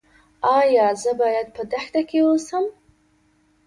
ایا زه باید په دښته کې اوسم؟